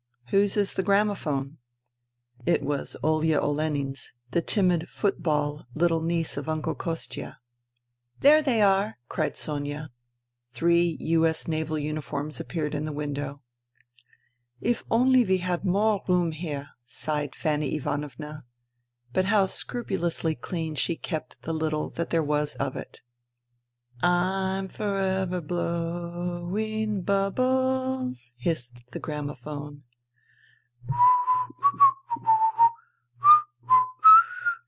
" Whose is the gramophone ?" It was Olya Olenin's, the timid " football " little niece of Uncle Kostia. INTERVENING IN SIBERIA 195 " There they are !" cried Sonia. Three U.S. naval uniforms appeared in the window. " If only we had more room here," sighed Fanny Ivanovna. But how scrupulously clean she kept the little that there was of it. " I'm for ever blow ing huh bles,'' hissed the gramophone.